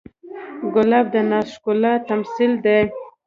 ګلاب د ناز ښکلا تمثیل دی.